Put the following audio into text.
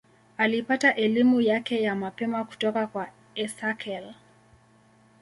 Alipata elimu yake ya mapema kutoka kwa Esakhel.